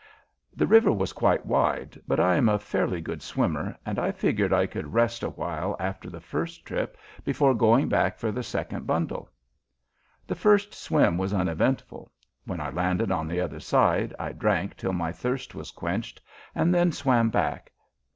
The river was quite wide, but I am a fairly good swimmer, and I figured I could rest awhile after the first trip before going back for the second bundle. The first swim was uneventful. When I landed on the other side I drank till my thirst was quenched, and then swam back.